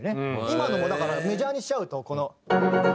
今のもだからメジャーにしちゃうとこの。